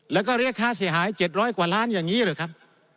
แล้วก็เรียกค่าเสยหายเจ็ดร้อยกว่าล้านยังงี้เหรอครับ